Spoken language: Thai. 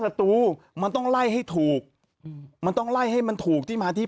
ประตูมันต้องไล่ให้ถูกอืมมันต้องไล่ให้มันถูกที่มาที่